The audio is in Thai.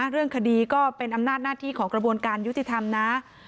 เรื่องคดีก็เป็นอำนาจหน้าที่ของกระบวนการยุติธรรมนะ